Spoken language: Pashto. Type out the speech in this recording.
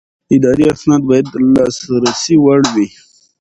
اداري اسناد باید د لاسرسي وړ وي.